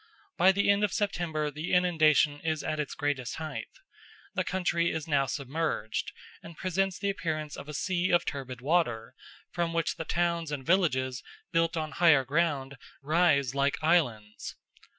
By the end of September the inundation is at its greatest height. The country is now submerged, and presents the appearance of a sea of turbid water, from which the towns and villages, built on higher ground, rise like islands.